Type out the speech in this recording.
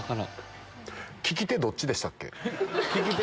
利き手どっちでしたっけ？